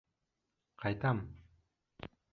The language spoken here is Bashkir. Ҡайтам!